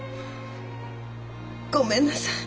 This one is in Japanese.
ごめんなさい。